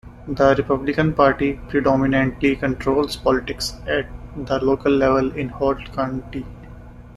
The Republican Party predominantly controls politics at the local level in Holt County.